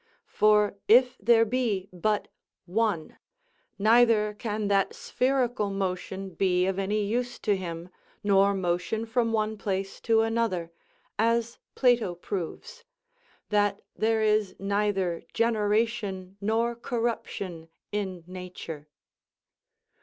For if there be but one, neither can that spherical motion be of any use to him, nor motion from one place to another, as Plato proves: "That there is neither generation nor corruption in nature."